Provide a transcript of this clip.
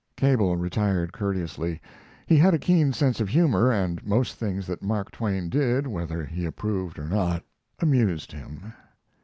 Cable retired courteously. He had a keen sense of humor, and most things that Mark Twain did, whether he approved or not, amused him.